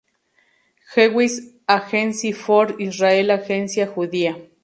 Jewish Agency for Israel Agencia Judía